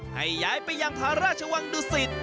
ให้ย้ายไปยังทาราชวังดุสิต